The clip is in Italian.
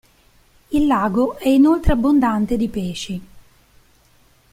Il lago è inoltre abbondante di pesci.